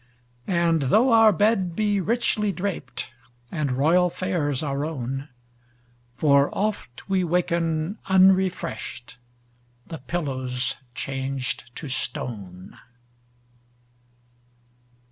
And tho our bed be richly drapedAnd royal fares our own, For oft we waken unrefreshed—The pillow's changed to stone!